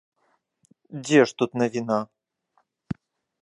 Дзе ж тут навіна?